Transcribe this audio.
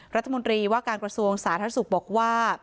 รัฐมนตรีว่าการกระทรวงสาธารณสุขบอกว่า